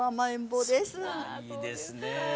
いいですね